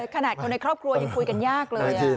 ขนาดคนในครอบครัวยังคุยกันยากเลย